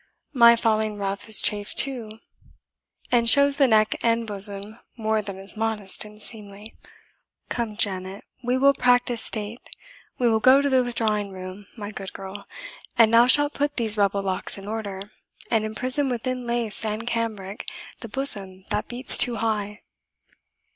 My falling ruff is chafed too, and shows the neck and bosom more than is modest and seemly. Come, Janet; we will practise state we will go to the withdrawing room, my good girl, and thou shalt put these rebel locks in order, and imprison within lace and cambric the bosom that beats too high."